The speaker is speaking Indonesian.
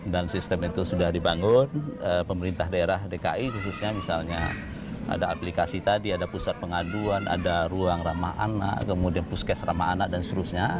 dan sistem itu sudah dibangun pemerintah daerah dki khususnya misalnya ada aplikasi tadi ada pusat pengaduan ada ruang ramah anak kemudian puskes ramah anak dan seterusnya